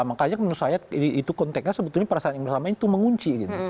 makanya menurut saya itu konteknya sebetulnya perasaan yang bersama itu mengunci